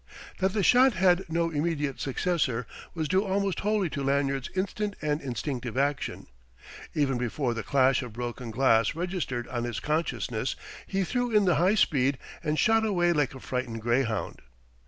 That the shot had no immediate successor was due almost wholly to Lanyard's instant and instinctive action. Even before the clash of broken glass registered on his consciousness, he threw in the high speed and shot away like a frightened greyhound.